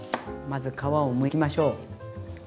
まず皮をむきましょう。